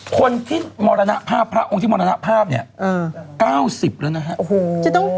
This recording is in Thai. คนที่มรณภาพพระองค์ที่มรณภาพเนี่ย๙๐แล้วนะฮะ